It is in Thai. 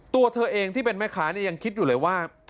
ตัวเธอเองที่เป็นแม่ค้าเนี่ยยังคิดอยู่เลยว่า